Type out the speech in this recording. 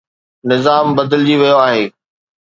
نظام بدلجي ويو آهي.